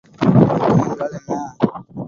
முடுக்கம் என்றால் என்ன?